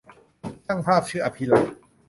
ช่างภาพชื่อ อภิลักษณ์